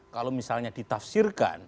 kalau misalnya ditafsirkan